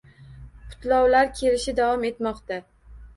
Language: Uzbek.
Qutlovlar kelishi davom etmoqda